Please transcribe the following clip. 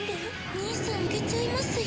兄さん負けちゃいますよ。